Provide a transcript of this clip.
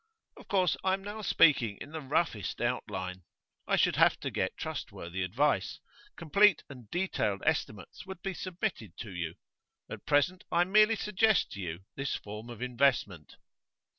Of course I am now speaking in the roughest outline. I should have to get trustworthy advice; complete and detailed estimates would be submitted to you. At present I merely suggest to you this form of investment.